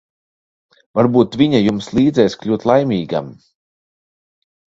Varbūt viņa jums līdzēs kļūt laimīgam.